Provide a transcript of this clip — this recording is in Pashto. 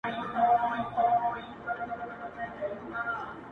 دا ستا د دواړو سـترگــــو گــل خـــــــبـــــــره”